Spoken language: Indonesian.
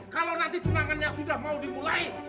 kalau nanti tunangannya sudah mau dimulai